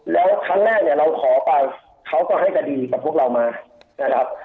แล้วครั้งแรกเนี่ยเราขอไปเขาก็ให้คดีกับพวกเรามานะครับ